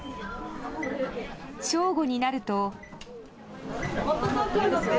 正午になると。